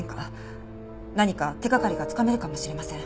何か手掛かりがつかめるかもしれません。